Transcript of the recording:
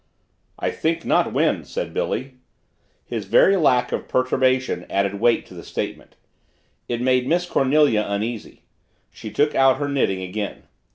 "I think not wind," said Billy. His very lack of perturbation added weight to the statement. It made Miss Cornelia uneasy. She took out her knitting again.